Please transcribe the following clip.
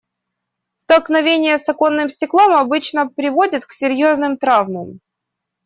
Столкновение с оконным стеклом обычно приводит к серьёзным травмам.